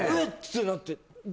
ってなって誰？